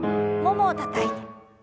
ももをたたいて。